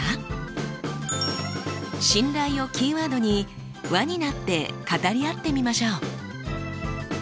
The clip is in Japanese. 「信頼」をキーワードに輪になって語り合ってみましょう。